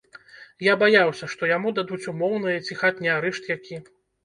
Я баяўся, што яму дадуць умоўнае ці хатні арышт які.